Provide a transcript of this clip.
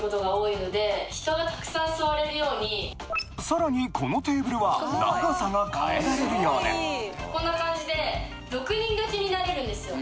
さらにこのテーブルは長さが変えられるようでこんな感じで６人掛けになれるんですよ。